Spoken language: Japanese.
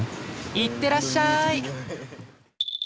行ってらっしゃい！